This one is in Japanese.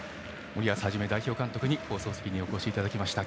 森保一代表監督に放送席にお越しいただきました。